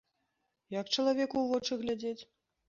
Як чалавеку ў вочы глядзець?